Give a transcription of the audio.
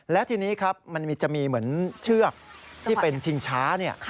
และทีนี้ครับมันจะมีเหมือนเชือกที่เป็นชิงช้าเนี่ย